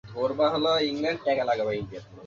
দেখো, আমি নিন্দা করতে চাইছি না।